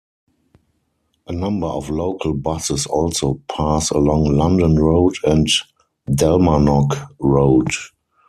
A number of local buses also pass along London Road and Dalmarnock Road.